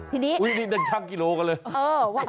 อุ้ยนี่มันชั้นกิโลกันเลย